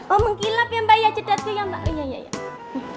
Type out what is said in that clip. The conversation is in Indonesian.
oh mengkilap ya mbak ya cedatnya ya mbak